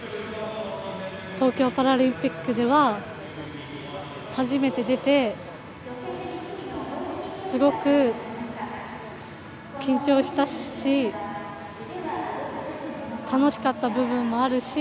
東京パラリンピックでは初めて出てすごく、緊張したし楽しかった部分もあるし。